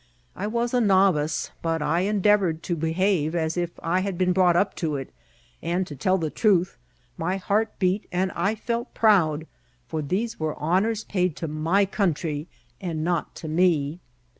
I was a novice, but I endeavoured to behave as if I had been brought up to it ; and, to tell the truth, my heart beat, and I felt proud; for these were honours paid to my country, and not to me.